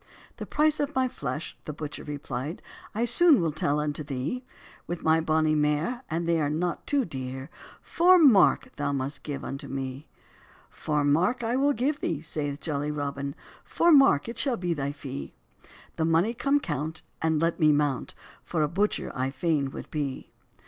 "The price of my flesh," the butcher repli'd, "I soon will tell unto thee; With my bonny mare, and they are not too dear, Four mark thou must give unto me." "Four mark I will give thee," saith jolly Robin, "Four mark it shall be thy fee; The mony come count, and let me mount, For a butcher I fain would be."